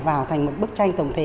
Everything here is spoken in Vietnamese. vào thành một bức tranh tổng thể